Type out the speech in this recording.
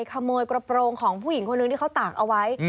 ขโมยกระโปรงของผู้หญิงคนหนึ่งที่เขาตากเอาไว้